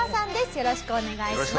よろしくお願いします。